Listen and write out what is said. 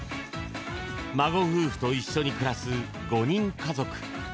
孫夫婦と一緒に暮らす５人家族。